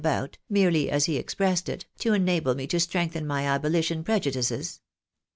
about, naerely, as he expressed it, to enable me to strengthen my aboUtion prejudices.